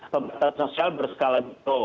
pembatasan sosial berskala jiso